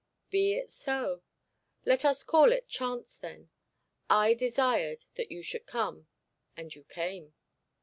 'Be it so; let us call it chance then. I desired that you should come, and you came.'